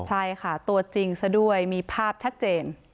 ใช่ค่ะตัวจริงซะด้วยมีภาพชัดเจน